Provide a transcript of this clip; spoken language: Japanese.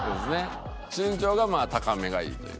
身長が高めがいいという。